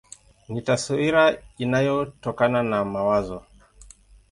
Ni taswira inayotokana na mawazo.